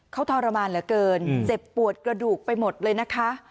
เขาทรมานเหลือเกินเจ็บปวดกระดูกไปหมดเลยนะคะ